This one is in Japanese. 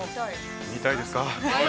◆見たいですか。